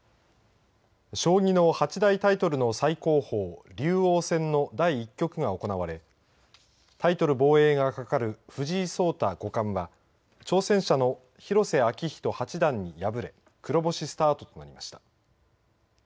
将棋の八大タイトルの最高峰「竜王戦」の第１局が行われタイトル防衛が懸かる藤井聡太五冠は挑戦者の広瀬章人八段に敗れ黒星スタートとなりました。